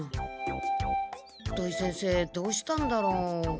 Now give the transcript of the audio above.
土井先生どうしたんだろ？